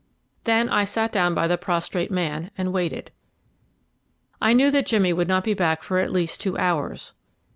Then I sat down by the prostrate man and waited. I knew that Jimmy could not be back for at least two hours.